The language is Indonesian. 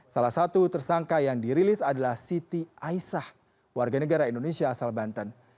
salah satu tersangka yang dirilis adalah siti aisyah warga negara indonesia asal banten